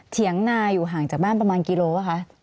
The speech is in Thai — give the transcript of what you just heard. ถ้าอยากไปก็ไป